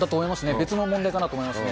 別の問題かなと思いますね。